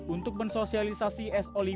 untuk mensosialisasi so lima